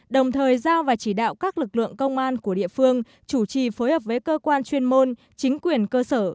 đồng thời giao và chỉ đạo các lực lượng công an của địa phương chủ trì phối hợp với cơ quan chuyên môn chính quyền cơ sở